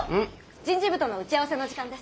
人事部との打ち合わせの時間です。